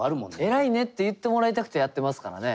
「偉いね」って言ってもらいたくてやってますからね。